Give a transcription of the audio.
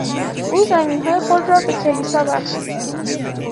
او زمینهای خود را به کلیسا بخشید.